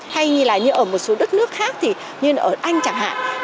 hay là như ở một số đất nước khác như ở anh chẳng hạn